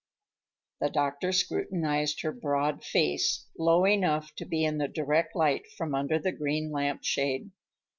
The doctor scrutinized her broad face, low enough to be in the direct light from under the green lamp shade.